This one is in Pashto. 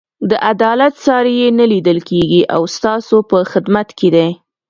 د عدالت ساری یې نه لیدل کېږي او ستاسو په خدمت کې دی.